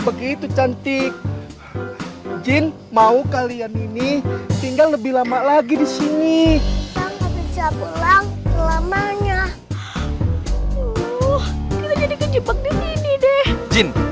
begitu cantik jin mau kalian ini tinggal lebih lama lagi di sini lamanya jenis